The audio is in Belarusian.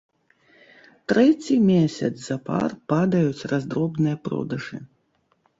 Трэці месяц запар падаюць раздробныя продажы.